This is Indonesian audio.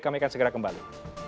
kami akan segera kembali